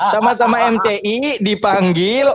sama sama mci dipanggil